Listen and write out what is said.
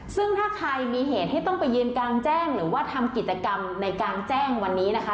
ซึ่งถ้าใครมีเหตุให้ต้องไปยืนกลางแจ้งหรือว่าทำกิจกรรมในการแจ้งวันนี้นะคะ